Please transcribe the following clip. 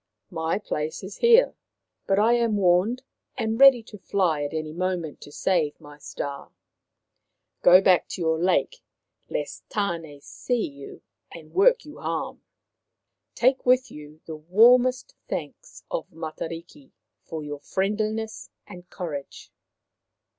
" My place is here. But I am warned, and ready to fly at any moment to save my star. Go back to your lake, lest Tane see H 124 Maoriland Fairy Tales you and work you harm. Take with you the warmest thanks of Matariki for your friendliness and courage.'